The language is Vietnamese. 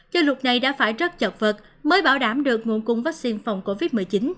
châu lục này đã phải rất chật vật mới bảo đảm được nguồn cung vaccine phòng covid một mươi chín